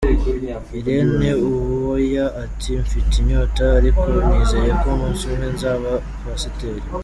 Irene Uwoya ati “Mfite inyota ariko nizeye ko umunsi umwe nzaba pasiteri.